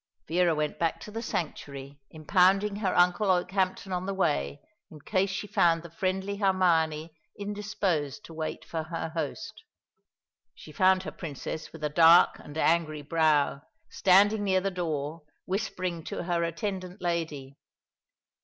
Vera went back to the sanctuary, impounding her uncle Okehampton on the way, in case she found the friendly Hermione indisposed to wait for her host. She found her Princess with a dark and angry brow, standing near the door, whispering to her attendant lady.